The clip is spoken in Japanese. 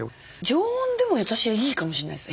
常温でも私はいいかもしれないです。